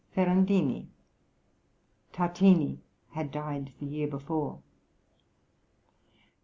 Ferrandini Tartini had died the year before.